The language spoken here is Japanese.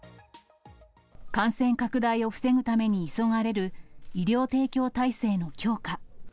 感染拡大を防ぐために急がれる医療提供体制の強化。